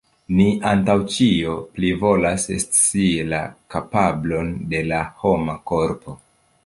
Ni antaŭ ĉio plivolas scii la kapablon de la homa korpo.